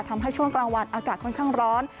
ช่วงกลางวันอากาศค่อนข้างร้อน